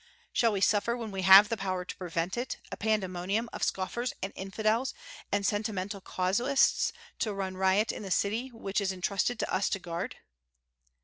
Shall we suffer, when we have the power to prevent it, a pandemonium of scoffers and infidels and sentimental casuists to run riot in the city which is intrusted to us to guard?